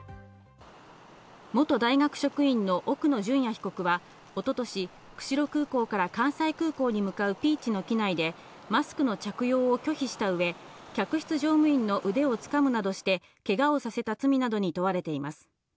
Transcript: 元大学職員の奥野淳也被告は一昨年、釧路空港から関西空港に向かうピーチの機内でマスクの着用を拒否した上、客室乗務員の腕を掴むなどしてけがをさせた罪などに問われています。